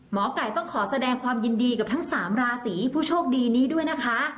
หมอไก่ต้องขอแสดงความยินดีกับทั้ง๓ราศีผู้โชคดีนี้ด้วยนะคะ